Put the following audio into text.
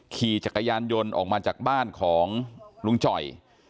ขี่จักรยานยนต์ออกมาจากบ้านของลุงจ่อย